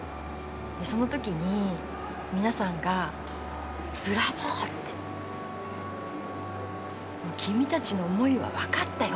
その時に皆さんが「ブラボー」って「君たちの思いは分かったよ」